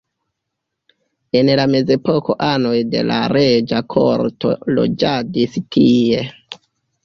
En la mezepoko anoj de la reĝa korto loĝadis tie.